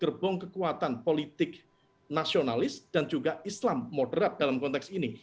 gerbong kekuatan politik nasionalis dan juga islam moderat dalam konteks ini